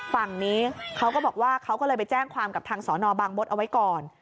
ฝั่งนี้เขาก็บอกว่าเขาก็เลยไปแจ้งความกับทางสอนอบางมดเอาไว้ก่อน